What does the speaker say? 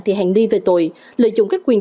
thì hạn đi về tội lợi dụng các quyền